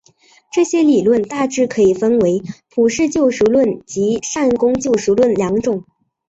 这些理论大致可以分为普世救赎论及善功救赎论两种。